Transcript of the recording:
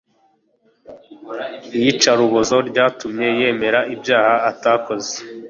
iyicarubozo ryatumye yemera ibyaha atakoze